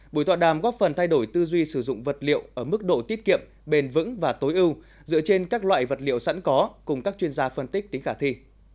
buổi tọa đàm góp phần thay đổi tư duy sử dụng vật liệu ở mức độ tiết kiệm bền vững và tối ưu dựa trên các loại vật liệu sẵn có cùng các chuyên gia phân tích tính khả thi